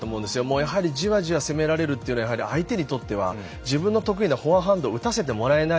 やはりじわじわ攻められるのは相手にとっては自分の得意なフォアハンドを打たせてもらえない。